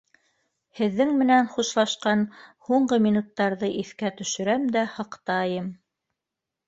Һеҙҙең менән хушлашҡан һуңғы минуттарҙы иҫкә төшөрәм дә һыҡтайым.